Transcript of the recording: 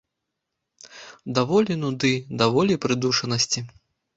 Даволі нуды, даволі прыдушанасці!